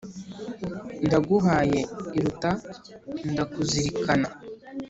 Ndaguhaye iruta ndakuzirikana.